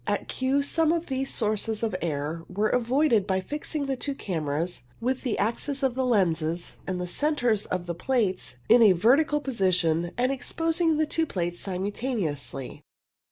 At Kew some of these sources of error were avoided by fixing the two cameras with the axes of the lenses and centres of the plates in a vertical position and exposing the two plates simultaneously.